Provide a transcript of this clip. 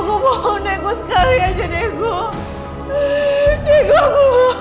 karena ini keturunan itu untuk aku